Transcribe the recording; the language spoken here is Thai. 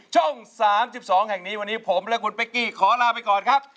ช่อง๓๒แห่งนี้วันนี้ผมและคุณเป๊กกี้ขอลาไปก่อนครับ